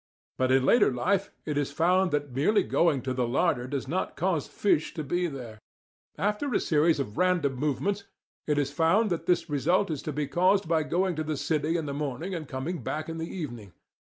But in later life it is found that merely going to the larder does not cause fish to be there; after a series of random movements it is found that this result is to be caused by going to the City in the morning and coming back in the evening.